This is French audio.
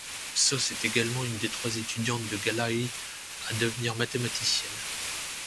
Sós est également une des trois étudiantes de Gallai à devenir mathématicienne.